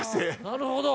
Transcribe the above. なるほど。